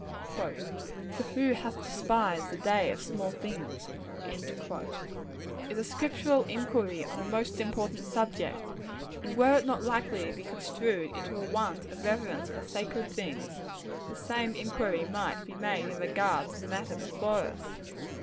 "For who hath despised the day of small things?" is a scriptural inquiry on a most important subject; and were it not likely to be construed into a want of reverence for sacred things, the same inquiry might be made in regard to the matter before us.